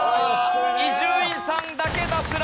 伊集院さんだけ脱落。